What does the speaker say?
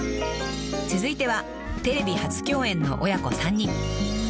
［続いてはテレビ初共演の親子３人］